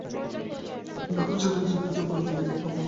তিনি তার লোকজনের সাথে জঙ্গলে পালিয়ে যেতে বাধ্য হন।